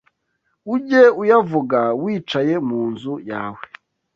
ujye uyavuga wicaye mu nzu yawe